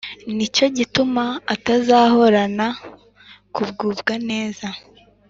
ni cyo gituma atazahorana kugubwa neza